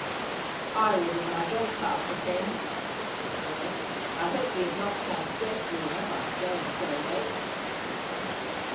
'I ordered my dog cart for ten,' said Gerald; 'I hope we have not transgressed, Lina, by staying so late